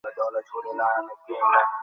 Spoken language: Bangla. কিস করতে গেলে তো, ওকে স্টুলে দাঁড়াতে হবে।